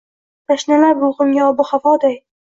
Tashnalab ruhimga ob-u havoday